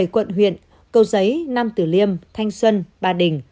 bảy quận huyện cầu giấy nam tử liêm thanh xuân ba đình